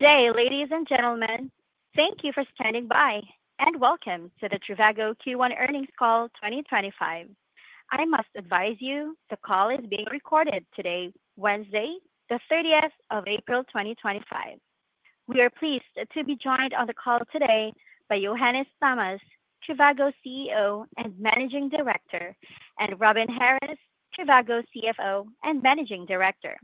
Today, ladies and gentlemen, thank you for standing by and welcome to the Trivago Q1 Earnings Call 2025. I must advise you the call is being recorded today, Wednesday, the 30th of April 2025. We are pleased to be joined on the call today by Johannes Thomas, trivago CEO and Managing Director, and Robin Harries, trivago CFO and Managing Director.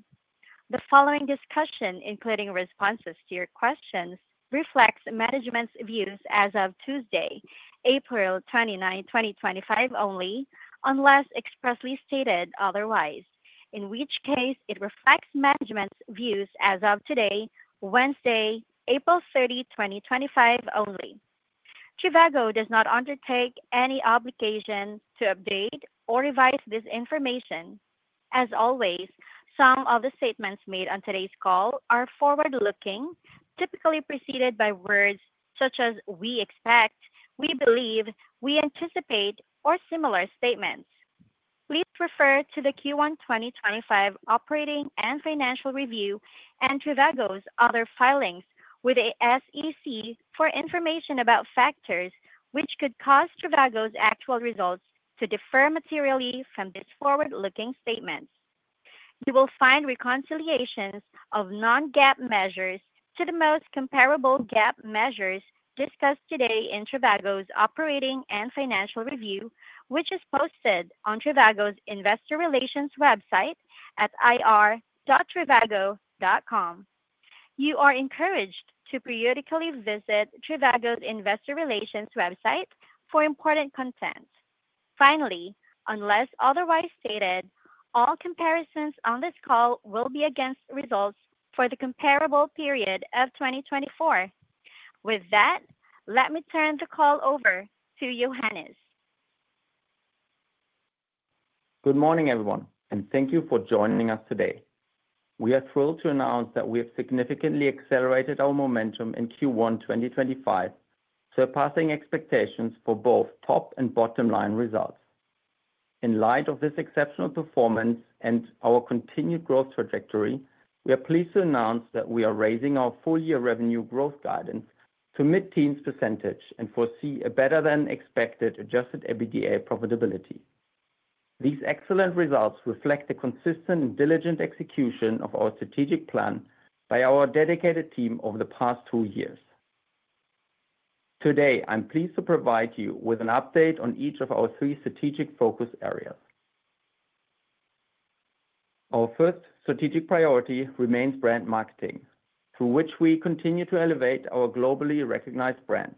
The following discussion, including responses to your questions, reflects management's views as of Tuesday, April 29, 2025 only, unless expressly stated otherwise, in which case it reflects management's views as of today, Wednesday, April 30, 2025 only. trivago does not undertake any obligation to update or revise this information. As always, some of the statements made on today's call are forward-looking, typically preceded by words such as "we expect," "we believe," "we anticipate," or similar statements. Please refer to the Q1 2025 operating and financial review and trivago's other filings with the SEC for information about factors which could cause trivago's actual results to differ materially from these forward-looking statements. You will find reconciliations of non-GAAP measures to the most comparable GAAP measures discussed today in trivago's operating and financial review, which is posted on trivago's Investor Relations website at ir.trivago.com. You are encouraged to periodically visit trivago's Investor Relations website for important content. Finally, unless otherwise stated, all comparisons on this call will be against results for the comparable period of 2024. With that, let me turn the call over to Johannes. Good morning, everyone, and thank you for joining us today. We are thrilled to announce that we have significantly accelerated our momentum in Q1 2025, surpassing expectations for both top and bottom-line results. In light of this exceptional performance and our continued growth trajectory, we are pleased to announce that we are raising our full-year revenue growth guidance to mid-teens % and foresee a better-than-expected adjusted EBITDA profitability. These excellent results reflect the consistent and diligent execution of our strategic plan by our dedicated team over the past two years. Today, I'm pleased to provide you with an update on each of our three strategic focus areas. Our first strategic priority remains brand marketing, through which we continue to elevate our globally recognized brand.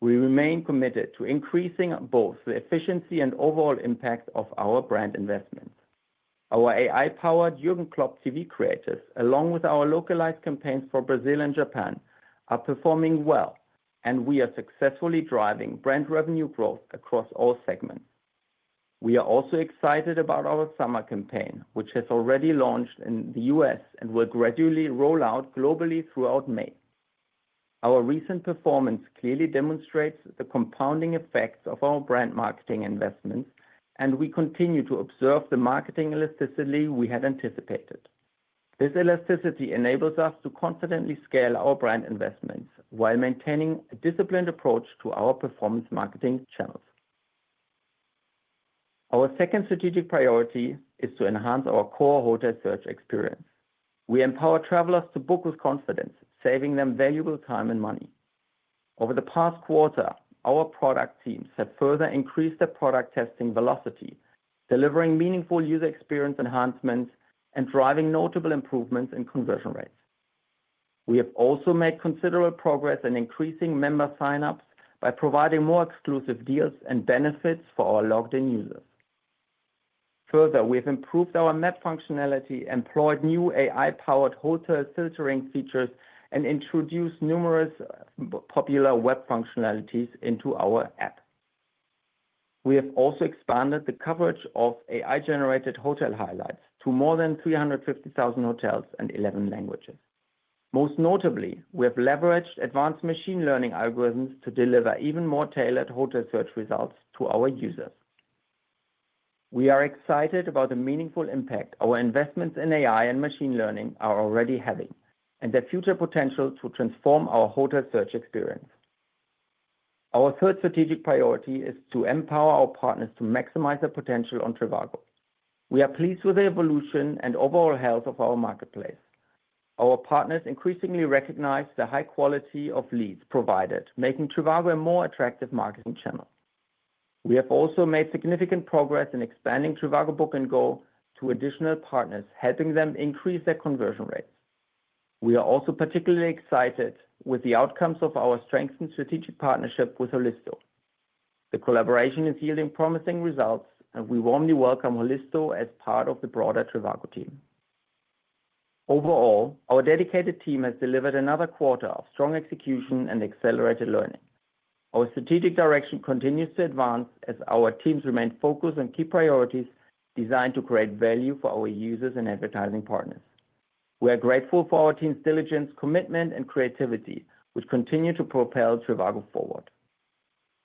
We remain committed to increasing both the efficiency and overall impact of our brand investments. Our AI-powered Jürgen Klopp TV creators, along with our localized campaigns for Brazil and Japan, are performing well, and we are successfully driving brand revenue growth across all segments. We are also excited about our summer campaign, which has already launched in the U.S. and will gradually roll out globally throughout May. Our recent performance clearly demonstrates the compounding effects of our brand marketing investments, and we continue to observe the marketing elasticity we had anticipated. This elasticity enables us to confidently scale our brand investments while maintaining a disciplined approach to our performance marketing channels. Our second strategic priority is to enhance our core hotel search experience. We empower travelers to book with confidence, saving them valuable time and money. Over the past quarter, our product teams have further increased their product testing velocity, delivering meaningful user experience enhancements and driving notable improvements in conversion rates. We have also made considerable progress in increasing member sign-ups by providing more exclusive deals and benefits for our logged-in users. Further, we have improved our map functionality, employed new AI-powered hotel filtering features, and introduced numerous popular web functionalities into our app. We have also expanded the coverage of AI-generated hotel highlights to more than 350,000 hotels and 11 languages. Most notably, we have leveraged advanced machine learning algorithms to deliver even more tailored hotel search results to our users. We are excited about the meaningful impact our investments in AI and machine learning are already having and their future potential to transform our hotel search experience. Our third strategic priority is to empower our partners to maximize their potential on trivago. We are pleased with the evolution and overall health of our marketplace. Our partners increasingly recognize the high quality of leads provided, making trivago a more attractive marketing channel. We have also made significant progress in expanding trivago Book and Go to additional partners, helping them increase their conversion rates. We are also particularly excited with the outcomes of our strengthened strategic partnership with Holisto. The collaboration is yielding promising results, and we warmly welcome Holisto as part of the broader trivago team. Overall, our dedicated team has delivered another quarter of strong execution and accelerated learning. Our strategic direction continues to advance as our teams remain focused on key priorities designed to create value for our users and advertising partners. We are grateful for our team's diligence, commitment, and creativity, which continue to propel trivago forward.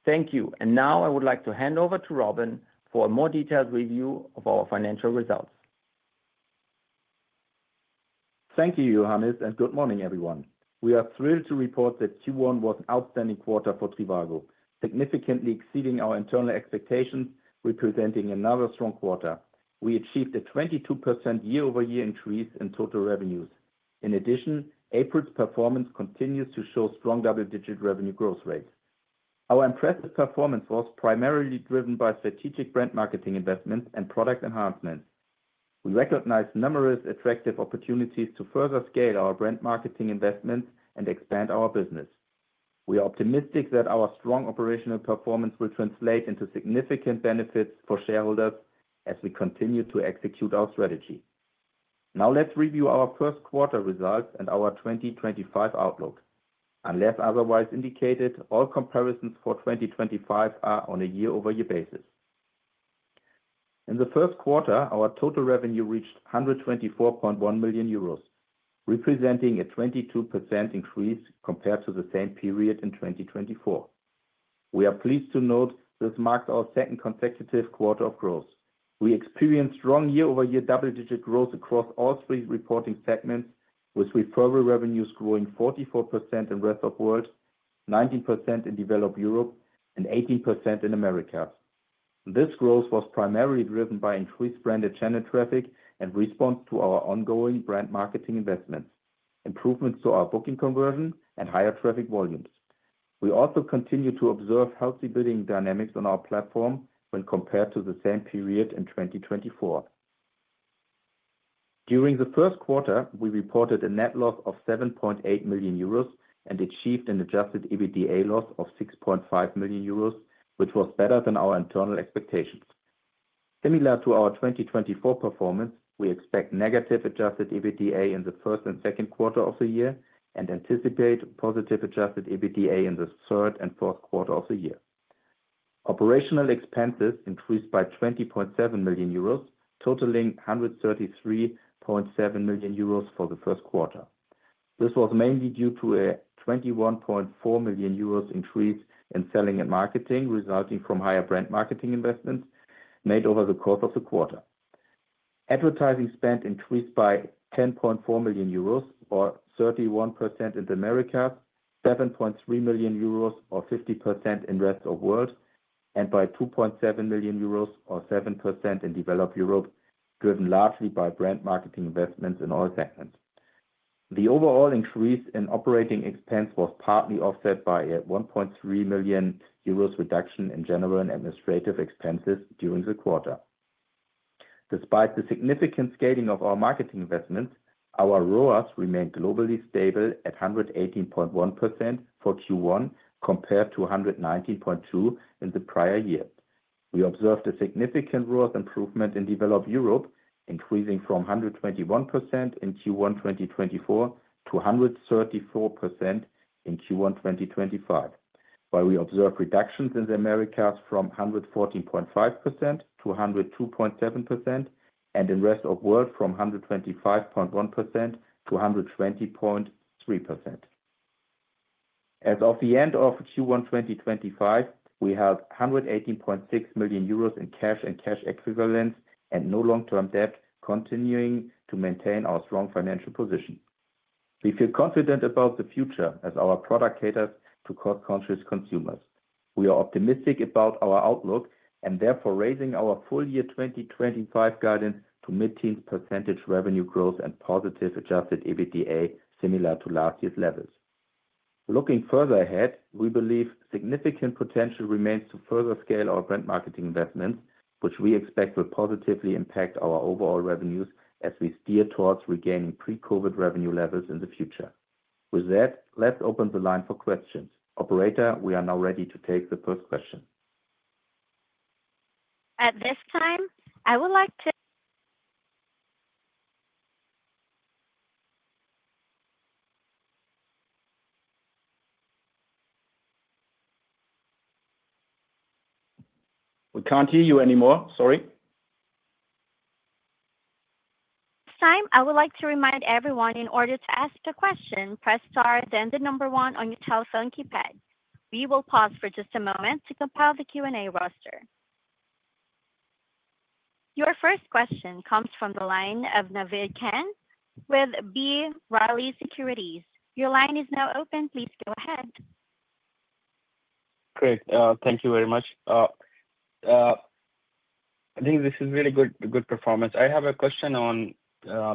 Thank you, and now I would like to hand over to Robin for a more detailed review of our financial results. Thank you, Johannes, and good morning, everyone. We are thrilled to report that Q1 was an outstanding quarter for trivago, significantly exceeding our internal expectations, representing another strong quarter. We achieved a 22% year-over-year increase in total revenues. In addition, April's performance continues to show strong double-digit revenue growth rates. Our impressive performance was primarily driven by strategic brand marketing investments and product enhancements. We recognize numerous attractive opportunities to further scale our brand marketing investments and expand our business. We are optimistic that our strong operational performance will translate into significant benefits for shareholders as we continue to execute our strategy. Now, let's review our first quarter results and our 2025 outlook. Unless otherwise indicated, all comparisons for 2025 are on a year-over-year basis. In the first quarter, our total revenue reached 124.1 million euros, representing a 22% increase compared to the same period in 2024. We are pleased to note this marks our second consecutive quarter of growth. We experienced strong year-over-year double-digit growth across all three reporting segments, with referral revenues growing 44% in Rest of World, 19% in Developed Europe, and 18% in America. This growth was primarily driven by increased branded channel traffic and response to our ongoing brand marketing investments, improvements to our booking conversion, and higher traffic volumes. We also continue to observe healthy bidding dynamics on our platform when compared to the same period in 2024. During the first quarter, we reported a net loss of 7.8 million euros and achieved an adjusted EBITDA loss of 6.5 million euros, which was better than our internal expectations. Similar to our 2024 performance, we expect negative adjusted EBITDA in the first and second quarter of the year and anticipate positive adjusted EBITDA in the third and fourth quarter of the year. Operational expenses increased by 20.7 million euros, totaling 133.7 million euros for the first quarter. This was mainly due to a 21.4 million euros increase in selling and marketing resulting from higher brand marketing investments made over the course of the quarter. Advertising spend increased by 10.4 million euros, or 31% in America, 7.3 million euros, or 50% in Rest of World, and by 2.7 million euros, or 7% in Developed Europe, driven largely by brand marketing investments in all segments. The overall increase in operating expense was partly offset by a 1.3 million euros reduction in general and administrative expenses during the quarter. Despite the significant scaling of our marketing investments, our ROAS remained globally stable at 118.1% for Q1 compared to 119.2% in the prior year. We observed a significant ROAS improvement in Developed Europe, increasing from 121% in Q1 2024 to 134% in Q1 2025, while we observed reductions in the America from 114.5% to 102.7% and in Rest of World from 125.1% to 120.3%. As of the end of Q1 2025, we held 118.6 million euros in cash and cash equivalents and no long-term debt, continuing to maintain our strong financial position. We feel confident about the future as our product caters to cross-country consumers. We are optimistic about our outlook and therefore raising our full-year 2025 guidance to mid-teens % revenue growth and positive adjusted EBITDA, similar to last year's levels. Looking further ahead, we believe significant potential remains to further scale our brand marketing investments, which we expect will positively impact our overall revenues as we steer towards regaining pre-COVID revenue levels in the future. With that, let's open the line for questions. Operator, we are now ready to take the first question. At this time, I would like to. We can't hear you anymore. Sorry. This time, I would like to remind everyone in order to ask a question, press star, then the number one on your telephone keypad. We will pause for just a moment to compile the Q&A roster. Your first question comes from the line of Naved Khan with B. Riley Securities. Your line is now open. Please go ahead. Great. Thank you very much. I think this is really good performance. I have a question on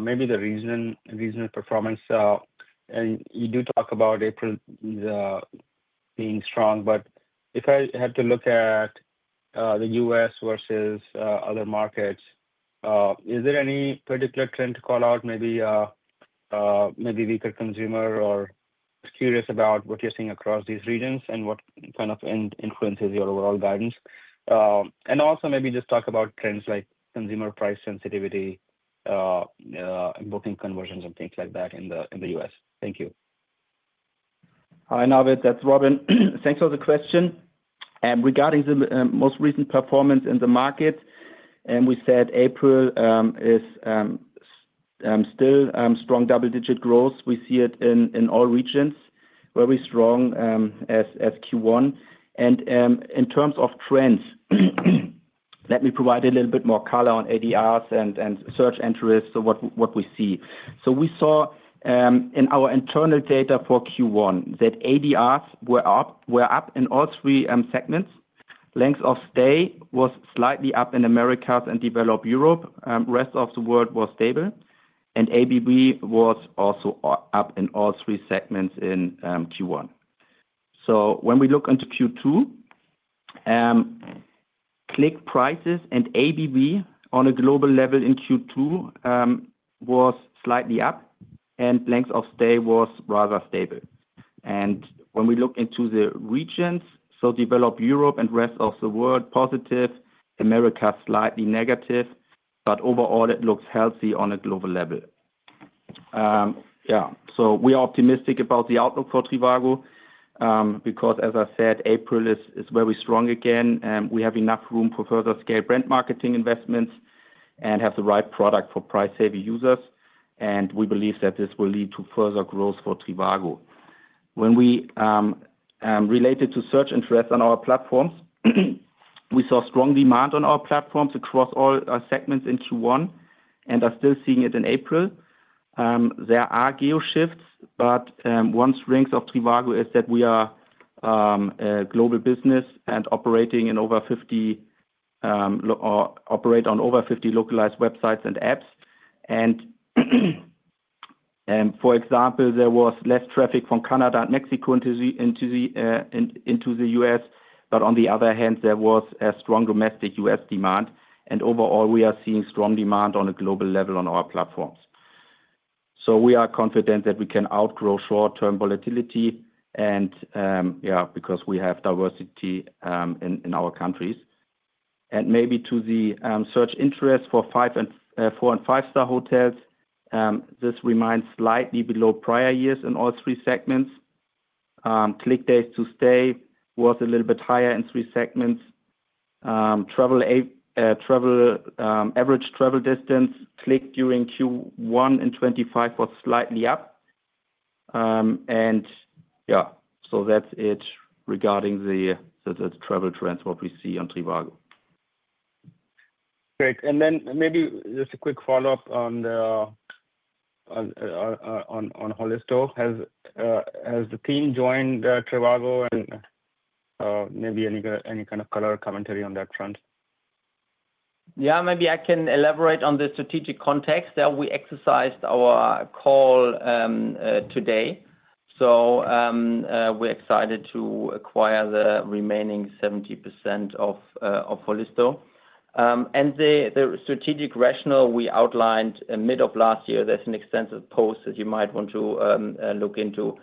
maybe the regional performance. You do talk about April being strong, but if I had to look at the U.S. versus other markets, is there any particular trend to call out, maybe weaker consumer or curious about what you're seeing across these regions and what kind of influences your overall guidance? Also maybe just talk about trends like consumer price sensitivity, booking conversions, and things like that in the U.S. Thank you. Hi, Navid. That's Robin. Thanks for the question. Regarding the most recent performance in the market, we said April is still strong double-digit growth. We see it in all regions, very strong as Q1. In terms of trends, let me provide a little bit more color on ADRs and search entries, so what we see. We saw in our internal data for Q1 that ADRs were up in all three segments. Length of stay was slightly up in America and Developed Europe. Rest of World was stable. ABB was also up in all three segments in Q1. When we look into Q2, click prices and ABB on a global level in Q2 were slightly up, and length of stay was rather stable. When we look into the regions, Developed Europe and Rest of World, positive. America slightly negative, but overall, it looks healthy on a global level. Yeah. We are optimistic about the outlook for trivago because, as I said, April is very strong again. We have enough room for further scale brand marketing investments and have the right product for price-savvy users. We believe that this will lead to further growth for trivago. Related to search interest on our platforms, we saw strong demand on our platforms across all segments in Q1 and are still seeing it in April. There are geo shifts, but one strength of trivago is that we are a global business and operating on over 50 localized websites and apps. For example, there was less traffic from Canada and Mexico into the U.S., but on the other hand, there was strong domestic U.S. demand. Overall, we are seeing strong demand on a global level on our platforms. We are confident that we can outgrow short-term volatility because we have diversity in our countries. Maybe to the search interest for four and five-star hotels, this remains slightly below prior years in all three segments. Click days to stay was a little bit higher in three segments. Average travel distance clicked during Q1 in 2025 was slightly up. That is it regarding the travel trends we see on trivago. Great. Maybe just a quick follow-up on Holisto. Has the team joined trivago? Maybe any kind of color commentary on that front? Yeah, maybe I can elaborate on the strategic context that we exercised our call today. We are excited to acquire the remaining 70% of Holisto. The strategic rationale we outlined mid of last year, there is an extensive post that you might want to look into.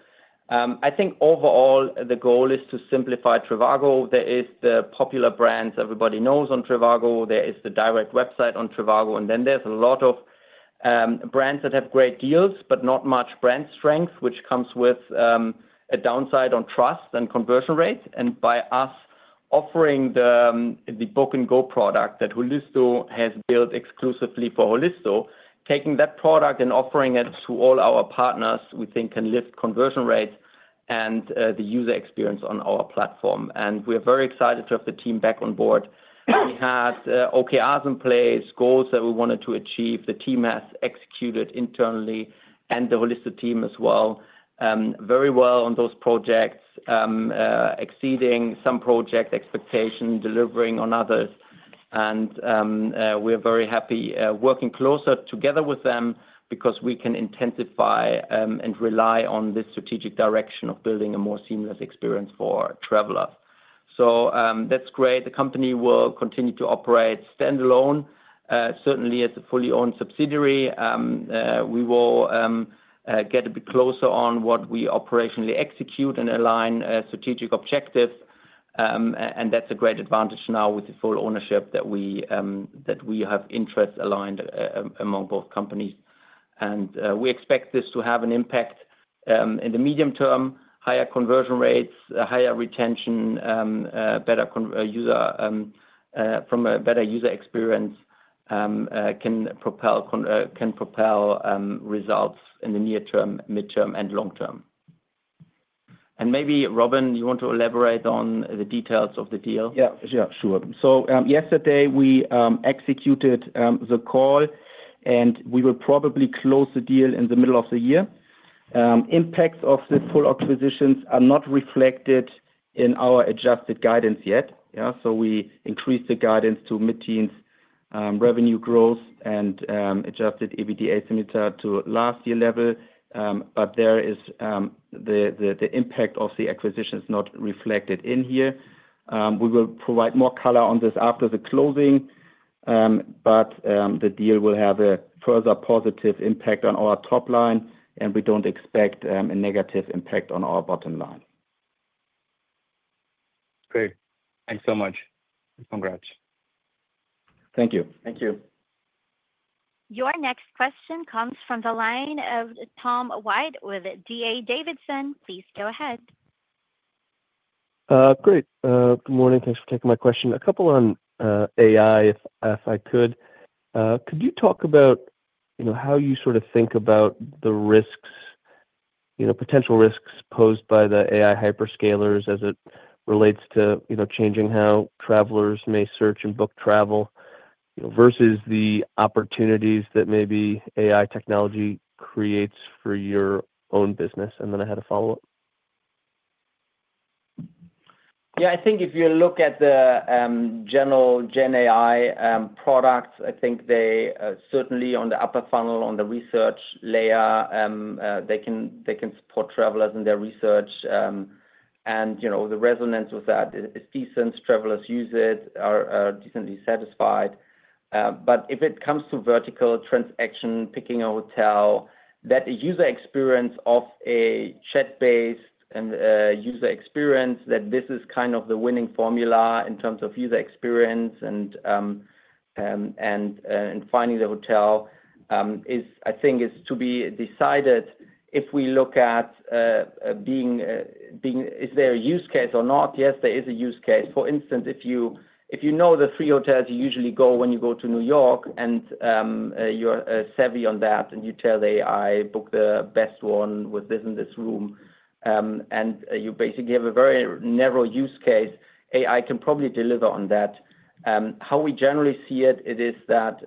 I think overall, the goal is to simplify trivago. There are the popular brands everybody knows on trivago. There is the direct website on trivago. Then there are a lot of brands that have great deals, but not much brand strength, which comes with a downside on trust and conversion rates. By us offering the Book & Go product that Holisto has built exclusively for Holisto, taking that product and offering it to all our partners, we think can lift conversion rates and the user experience on our platform. We are very excited to have the team back on board. We had OKRs in place, goals that we wanted to achieve. The team has executed internally and the Holisto team as well very well on those projects, exceeding some project expectations, delivering on others. We are very happy working closer together with them because we can intensify and rely on this strategic direction of building a more seamless experience for travelers. That is great. The company will continue to operate standalone. Certainly, as a fully owned subsidiary, we will get a bit closer on what we operationally execute and align strategic objectives. That is a great advantage now with the full ownership that we have interests aligned among both companies. We expect this to have an impact in the medium term, higher conversion rates, higher retention, better user experience can propel results in the near-term, mid-term, and long-term. Robin, you want to elaborate on the details of the deal? Yeah, sure. Yesterday, we executed the call, and we will probably close the deal in the middle of the year. Impacts of the full acquisitions are not reflected in our adjusted guidance yet. We increased the guidance to mid-teens revenue growth and adjusted EBITDA to last year level. The impact of the acquisition is not reflected in here. We will provide more color on this after the closing, but the deal will have a further positive impact on our top line, and we do not expect a negative impact on our bottom line. Great. Thanks so much. Congrats. Thank you. Thank you. Your next question comes from the line of Tom White with D.A. Davidson. Please go ahead. Great. Good morning. Thanks for taking my question. A couple on AI, if I could. Could you talk about how you sort of think about the potential risks posed by the AI hyperscalers as it relates to changing how travelers may search and book travel versus the opportunities that maybe AI technology creates for your own business? I had a follow-up. Yeah, I think if you look at the general GenAI products, I think they certainly on the upper funnel, on the research layer, they can support travelers in their research. The resonance with that is decent. Travelers use it, are decently satisfied. If it comes to vertical transaction, picking a hotel, that user experience of a chat-based user experience, that this is kind of the winning formula in terms of user experience and finding the hotel, I think is to be decided if we look at is there a use case or not. Yes, there is a use case. For instance, if you know the three hotels you usually go when you go to New York and you're savvy on that and you tell the AI, "Book the best one with this and this room," and you basically have a very narrow use case, AI can probably deliver on that. How we generally see it is that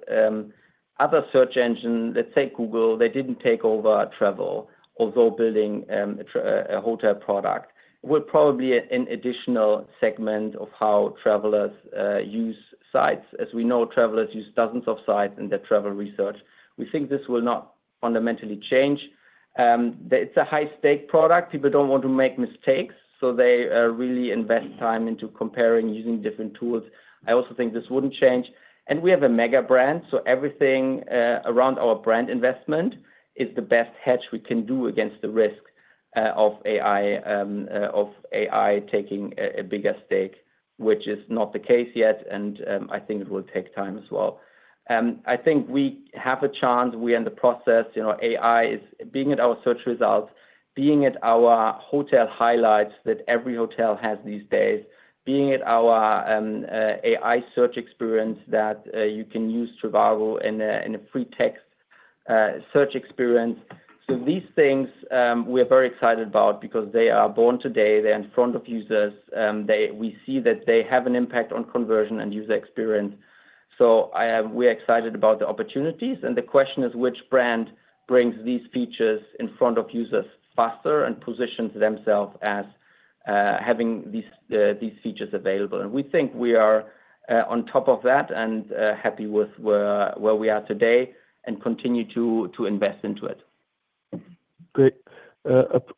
other search engines, let's say Google, they didn't take over travel, although building a hotel product. We're probably in additional segment of how travelers use sites. As we know, travelers use dozens of sites in their travel research. We think this will not fundamentally change. It's a high-stake product. People don't want to make mistakes, so they really invest time into comparing using different tools. I also think this wouldn't change. We have a mega brand, so everything around our brand investment is the best hedge we can do against the risk of AI taking a bigger stake, which is not the case yet. I think it will take time as well. I think we have a chance. We are in the process. AI is being at our search results, being at our hotel highlights that every hotel has these days, being at our AI search experience that you can use trivago in a free text search experience. These things we are very excited about because they are born today. They're in front of users. We see that they have an impact on conversion and user experience. We are excited about the opportunities. The question is, which brand brings these features in front of users faster and positions themselves as having these features available? We think we are on top of that and happy with where we are today and continue to invest into it. Great.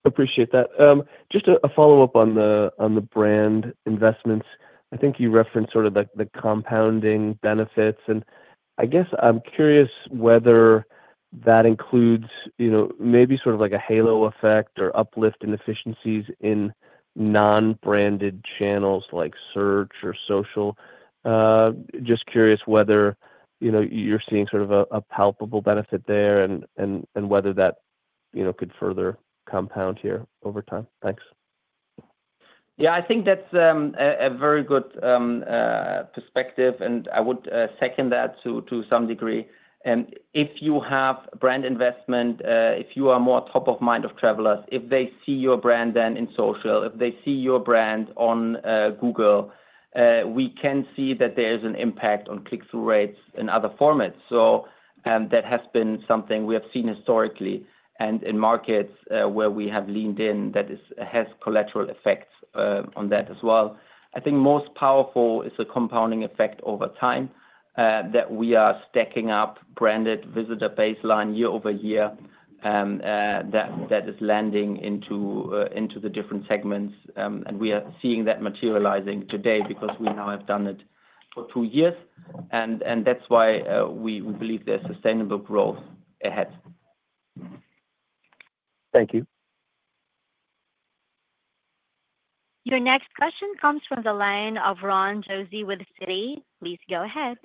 Appreciate that. Just a follow-up on the brand investments. I think you referenced sort of the compounding benefits. I guess I'm curious whether that includes maybe sort of like a halo effect or uplift in efficiencies in non-branded channels like search or social. Just curious whether you're seeing sort of a palpable benefit there and whether that could further compound here over time. Thanks. Yeah, I think that's a very good perspective, and I would second that to some degree. If you have brand investment, if you are more top of mind of travelers, if they see your brand in social, if they see your brand on Google, we can see that there is an impact on click-through rates in other formats. That has been something we have seen historically. In markets where we have leaned in, that has collateral effects on that as well. I think most powerful is the compounding effect over time that we are stacking up branded visitor baseline year-over-year that is landing into the different segments. We are seeing that materializing today because we now have done it for two years. That's why we believe there's sustainable growth ahead. Thank you. Your next question comes from the line of Ron Josey with Citi. Please go ahead.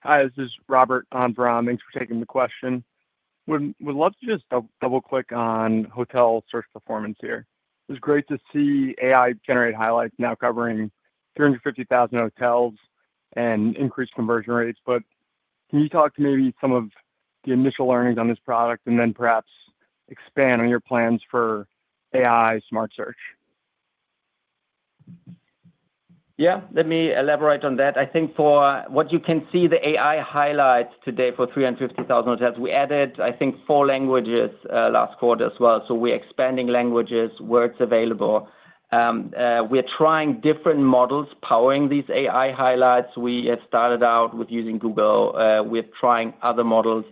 Hi, this is Robert on for Ron. Thanks for taking the question. Would love to just double-click on hotel search performance here. It's great to see AI-generated highlights now covering 350,000 hotels and increased conversion rates. Can you talk to maybe some of the initial learnings on this product and then perhaps expand on your plans for AI smart search? Yeah, let me elaborate on that. I think for what you can see, the AI highlights today for 350,000 hotels, we added, I think, four languages last quarter as well. We are expanding languages, words available. We are trying different models powering these AI highlights. We started out with using Google. We are trying other models,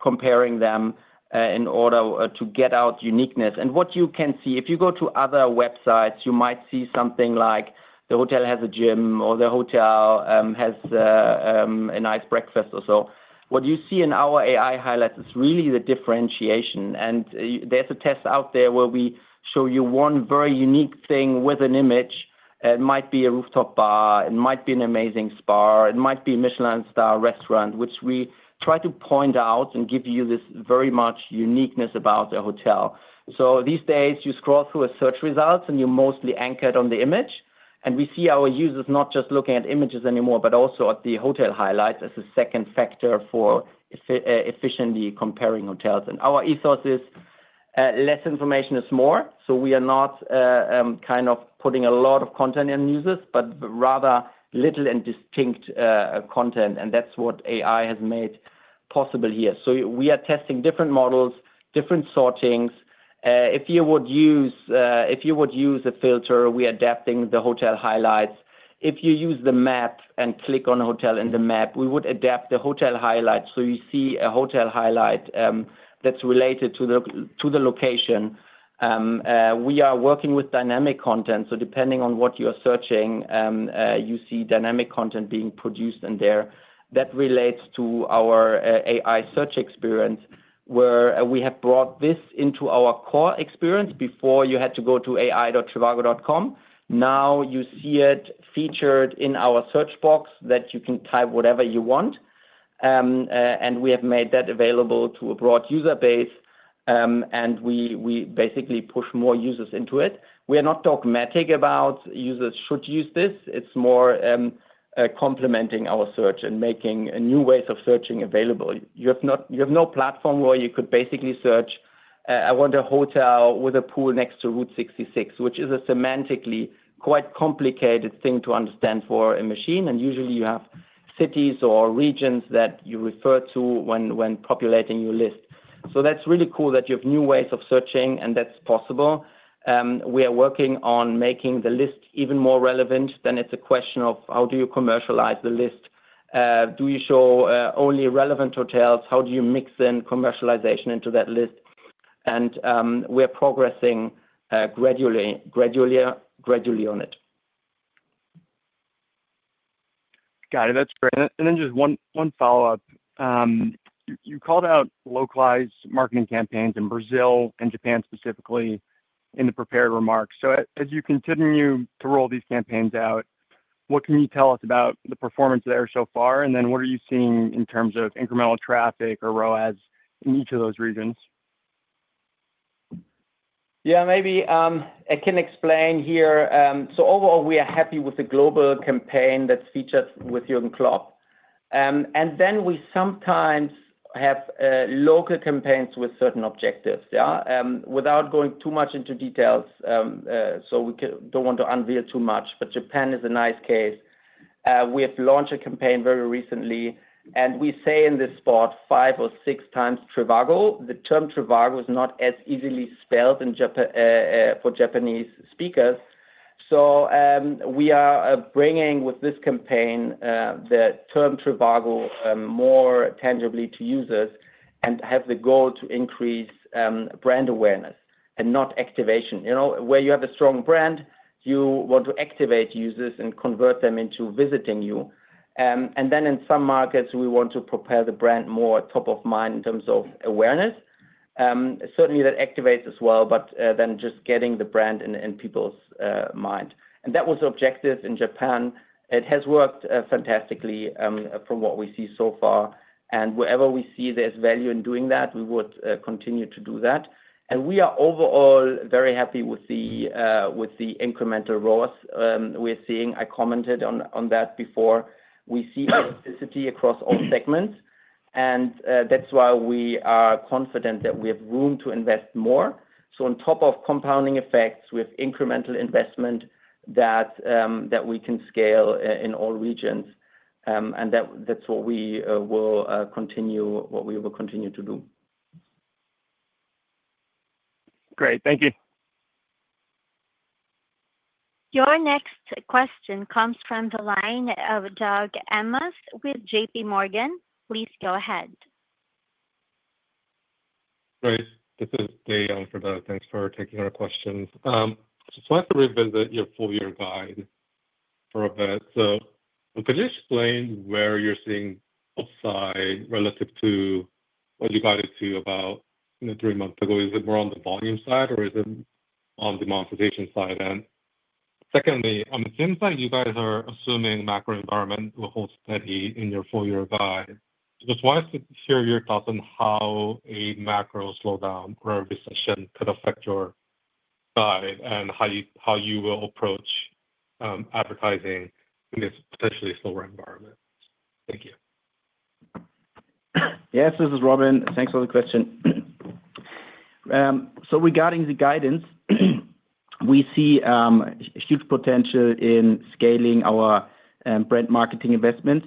comparing them in order to get out uniqueness. What you can see, if you go to other websites, you might see something like the hotel has a gym or the hotel has a nice breakfast or so. What you see in our AI highlights is really the differentiation. There is a test out there where we show you one very unique thing with an image. It might be a rooftop bar. It might be an amazing spa. It might be a Michelin Star restaurant, which we try to point out and give you this very much uniqueness about a hotel. These days, you scroll through a search result and you're mostly anchored on the image. We see our users not just looking at images anymore, but also at the hotel highlights as a second factor for efficiently comparing hotels. Our ethos is less information is more. We are not kind of putting a lot of content in users, but rather little and distinct content. That's what AI has made possible here. We are testing different models, different sortings. If you would use a filter, we are adapting the hotel highlights. If you use the map and click on a hotel in the map, we would adapt the hotel highlights. You see a hotel highlight that's related to the location. We are working with dynamic content. Depending on what you're searching, you see dynamic content being produced in there. That relates to our AI search experience where we have brought this into our core experience. Before, you had to go to ai.trivago.com. Now you see it featured in our search box that you can type whatever you want. We have made that available to a broad user base. We basically push more users into it. We are not dogmatic about users should use this. It is more complementing our search and making new ways of searching available. You have no platform where you could basically search, "I want a hotel with a pool next to Route 66," which is a semantically quite complicated thing to understand for a machine. Usually, you have cities or regions that you refer to when populating your list. That's really cool that you have new ways of searching, and that's possible. We are working on making the list even more relevant. It is a question of how do you commercialize the list? Do you show only relevant hotels? How do you mix in commercialization into that list? We are progressing gradually on it. Got it. That's great. Just one follow-up. You called out localized marketing campaigns in Brazil and Japan specifically in the prepared remarks. As you continue to roll these campaigns out, what can you tell us about the performance there so far? What are you seeing in terms of incremental traffic or ROAS in each of those regions? Yeah, maybe I can explain here. Overall, we are happy with global campaign that's featured with Jürgen Klopp. We sometimes have local campaigns with certain objectives. Without going too much into details, we do not want to unveil too much, but Japan is a nice case. We have launched a campaign very recently, and we say in this spot five or six times trivago. The term trivago is not as easily spelled for Japanese speakers. We are bringing with this campaign the term trivago more tangibly to users and have the goal to increase brand awareness and not activation. Where you have a strong brand, you want to activate users and convert them into visiting you. In some markets, we want to propel the brand more top of mind in terms of awareness. Certainly, that activates as well, but just getting the brand in people's mind. That was the objective in Japan. It has worked fantastically from what we see so far. Wherever we see there is value in doing that, we would continue to do that. We are overall very happy with the incremental ROAS we are seeing. I commented on that before. We see elasticity across all segments, and that is why we are confident that we have room to invest more. On top of compounding effects, we have incremental investment that we can scale in all regions. That is what we will continue to do. Great. Thank you. Your next question comes from the line of Doug Doug Anmuth with JPMorgan. Please go ahead. Great. This is Dae on for Doug. Thanks for taking our questions. Just wanted to revisit your full-year guide for a bit. Could you explain where you're seeing upside relative to what you guided to about three months ago? Is it more on the volume side, or is it on the monetization side? Secondly, on the same side, you guys are assuming macro environment will hold steady in your full-year guide. Just wanted to hear your thoughts on how a macro slowdown or recession could affect your guide and how you will approach advertising in this potentially slower environment. Thank you. Yes, this is Robin. Thanks for the question. Regarding the guidance, we see huge potential in scaling our brand marketing investments.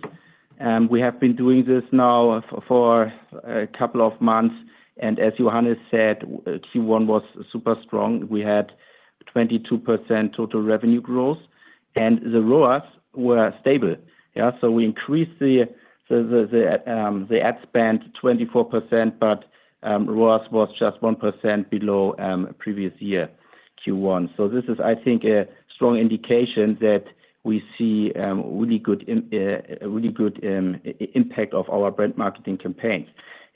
We have been doing this now for a couple of months. As Johannes said, Q1 was super strong. We had 22% total revenue growth, and the ROAS were stable. We increased the ad spend 24%, but ROAS was just 1% below previous year, Q1. I think this is a strong indication that we see a really good impact of our brand marketing campaigns.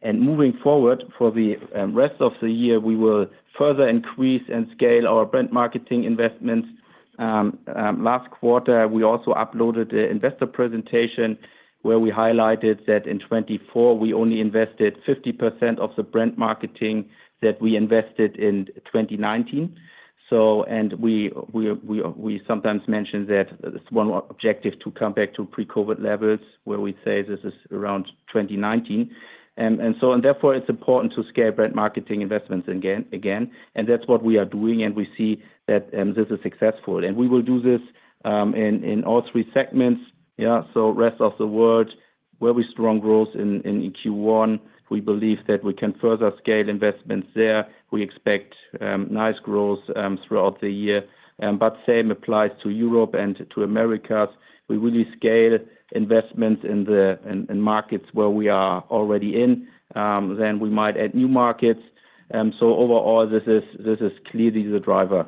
Moving forward for the rest of the year, we will further increase and scale our brand marketing investments. Last quarter, we also uploaded an investor presentation where we highlighted that in 2024, we only invested 50% of the brand marketing that we invested in 2019. We sometimes mentioned that it's one objective to come back to pre-COVID levels where we say this is around 2019. Therefore, it's important to scale brand marketing investments again. That's what we are doing, and we see that this is successful. We will do this in all three segments. Rest of the world, very strong growth in Q1. We believe that we can further scale investments there. We expect nice growth throughout the year. The same applies to Europe and to America. We really scale investments in markets where we are already in. We might add new markets. Overall, this is clearly the driver.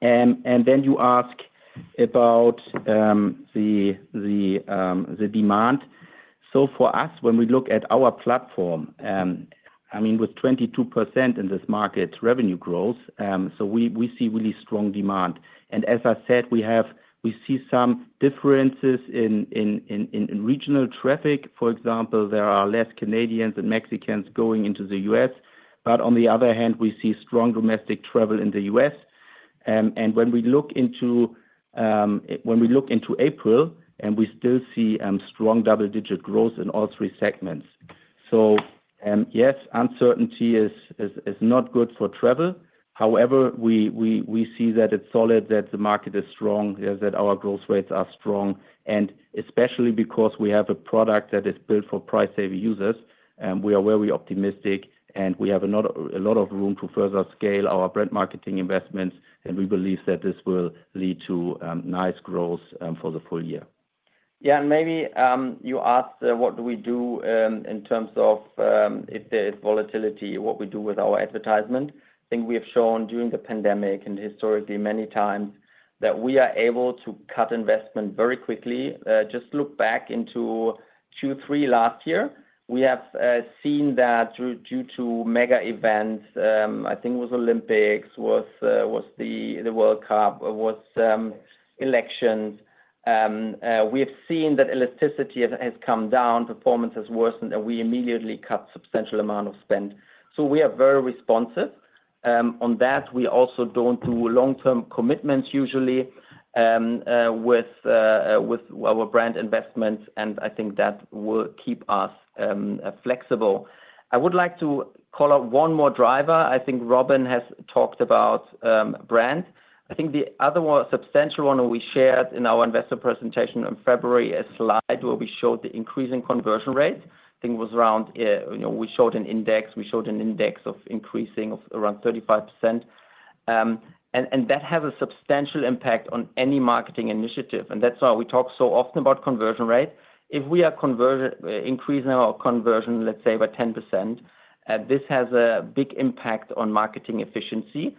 You asked about the demand. For us, when we look at our platform, I mean, with 22% in this market revenue growth, we see really strong demand. As I said, we see some differences in regional traffic. For example, there are fewer Canadians and Mexicans going into the U.S. On the other hand, we see strong domestic travel in the U.S. When we look into April, we still see strong double-digit growth in all three segments. Yes, uncertainty is not good for travel. However, we see that it is solid, that the market is strong, that our growth rates are strong. Especially because we have a product that is built for price-saving users, we are very optimistic, and we have a lot of room to further scale our brand marketing investments. We believe that this will lead to nice growth for the full year. Yeah, and maybe you asked, what do we do in terms of if there is volatility, what we do with our advertisement? I think we have shown during the pandemic and historically many times that we are able to cut investment very quickly. Just look back into Q3 last year. We have seen that due to mega events, I think it was Olympics, was the World Cup, was elections. We have seen that elasticity has come down, performance has worsened, and we immediately cut substantial amount of spend. We are very responsive on that. We also do not do long-term commitments usually with our brand investments. I think that will keep us flexible. I would like to call out one more driver. I think Robin has talked about brand. I think the other substantial one we shared in our investor presentation in February is a slide where we showed the increasing conversion rate. I think it was around we showed an index. We showed an index of increasing of around 35%. That has a substantial impact on any marketing initiative. That is why we talk so often about conversion rate. If we are increasing our conversion, let's say, by 10%, this has a big impact on marketing efficiency.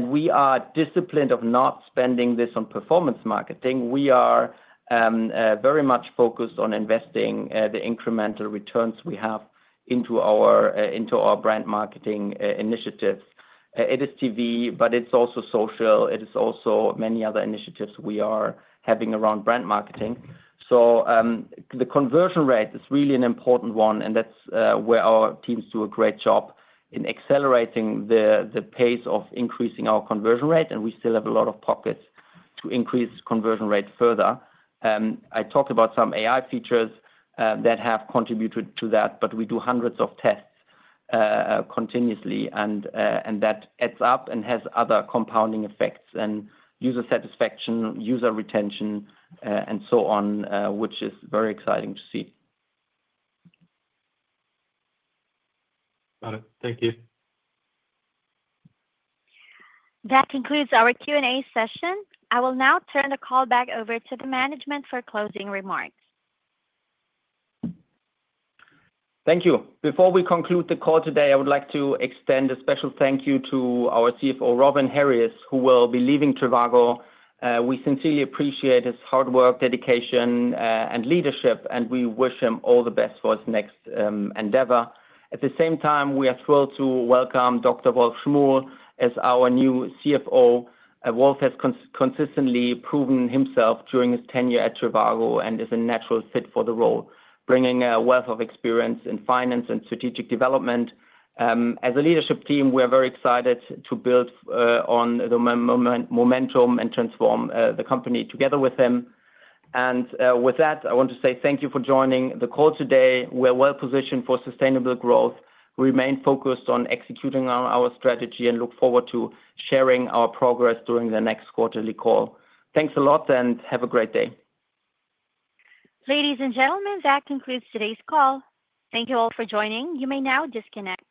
We are disciplined of not spending this on performance marketing. We are very much focused on investing the incremental returns we have into our brand marketing initiatives. It is TV, but it's also social. It is also many other initiatives we are having around brand marketing. The conversion rate is really an important one. Our teams do a great job in accelerating the pace of increasing our conversion rate. We still have a lot of pockets to increase conversion rate further. I talked about some AI features that have contributed to that, but we do hundreds of tests continuously. That adds up and has other compounding effects in user satisfaction, user retention, and so on, which is very exciting to see. Got it. Thank you. That concludes our Q&A session. I will now turn the call back over to the management for closing remarks. Thank you. Before we conclude the call today, I would like to extend a special thank you to our CFO, Robin Harries, who will be leaving trivago. We sincerely appreciate his hard work, dedication, and leadership, and we wish him all the best for his next endeavor. At the same time, we are thrilled to welcome Dr. Wolf Schmuhl as our new CFO. Wolf has consistently proven himself during his tenure at trivago and is a natural fit for the role, bringing a wealth of experience in finance and strategic development. As a leadership team, we are very excited to build on the momentum and transform the company together with him. I want to say thank you for joining the call today. We are well positioned for sustainable growth. We remain focused on executing our strategy and look forward to sharing our progress during the next quarterly call. Thanks a lot and have a great day. Ladies and gentlemen, that concludes today's call. Thank you all for joining. You may now disconnect.